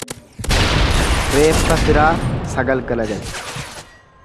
Reeffa firaa sagal galagalchu.